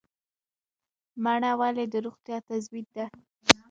مڼه ولې د روغتیا تضمین ده؟